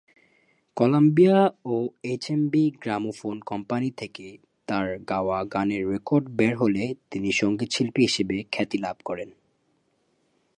Columbia ও HMV gramophone company থেকে তার গাওয়া গানের রেকর্ড বের হলে তিনি সঙ্গীতশিল্পী হিসেবে খ্যাতি লাভ করেন।